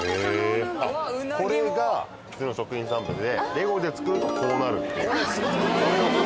あっこれが普通の食品サンプルでレゴで作るとこうなる。